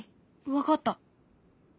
分かった。